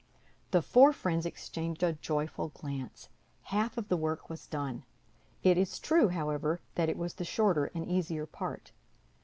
The four friends exchanged a joyful glance; half of the work was done. It is true, however, that it was the shorter and easier part.